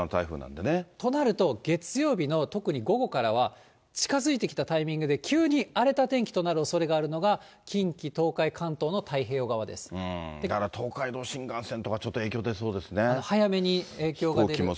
となると、月曜日の特に午後からは、近づいてきたタイミングで、急に荒れた天気となるおそれがあるのが、近畿、東海、関東の太平だから東海道新幹線とか、ち早めに影響が出る。